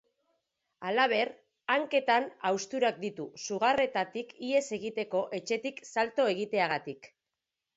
Halaber, hanketan hausturak ditu sugarretatik ihes egiteko etxetik salto egiteagatik.